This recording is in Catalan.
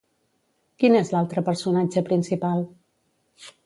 Quin és l'altre personatge principal?